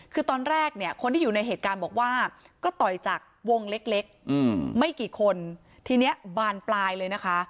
คือตอนแรกเนี่ยคนที่อยู่ในเหตุการณ์บอกว่าก็ต่อยจากวงเล็กไม่กี่คนทีนี้บานปลายเลยนะคะ